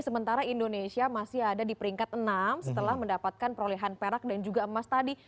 sementara indonesia masih ada di peringkat enam setelah mendapatkan perolehan perak dan juga emas tadi